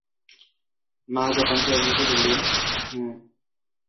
মা যন্ত্রের মত বললেন, হু ।